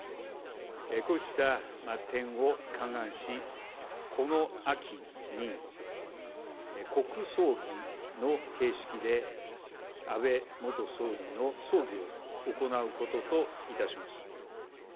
こうした点を勘案しこの秋に国葬儀の形式で安倍元総理の葬儀を行うことといたします。